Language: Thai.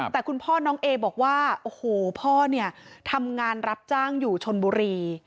แต่คุณพ่อน้องเอบอกว่าพ่อทำงานรับจ้างอยู่ชนบุรี